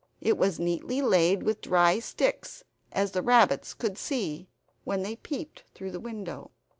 It was neatly laid with dry sticks, as the rabbits could see, when they peeped through the window.